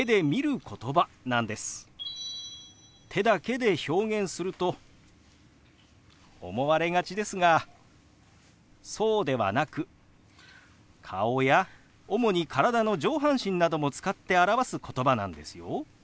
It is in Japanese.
手だけで表現すると思われがちですがそうではなく顔や主に体の上半身なども使って表すことばなんですよ。